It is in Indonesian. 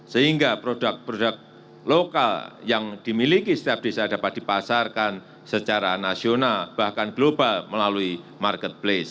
sehingga produk produk lokal yang dimiliki setiap desa dapat dipasarkan secara nasional bahkan global melalui marketplace